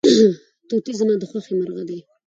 توتي زما د خوښې مرغه دی.